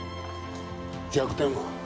弱点は？